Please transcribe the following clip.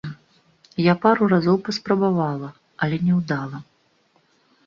Я пару разоў паспрабавала, але няўдала.